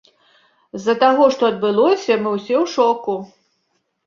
З-за таго, што адбылося, мы ўсе ў шоку.